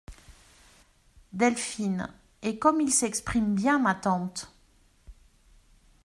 Delphine Et comme ils s'expriment bien, ma tante !